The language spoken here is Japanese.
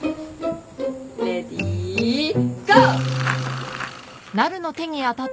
レディーゴー！